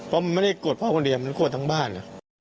เพราะมันไม่ได้โกรธพ่อคนเดียวมันโกรธทั้งบ้าน